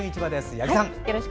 八木さん。